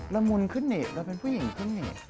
เรามุนขึ้นนี่เราเป็นผู้หญิงขึ้นนี่